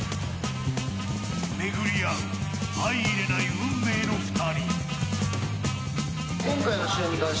巡り合う相容れない運命の２人。